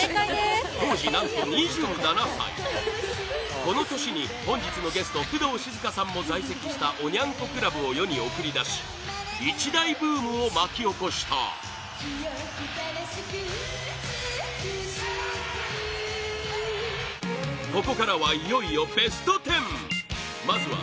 当時、何と２７歳この年に、本日のゲスト工藤静香さんも在籍したおニャン子クラブを世に送り出し一大ブームを巻き起こしたここからはいよいよベスト１０まずは